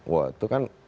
wah itu kan